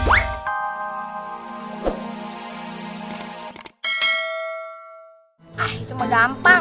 ah itu mudah gampang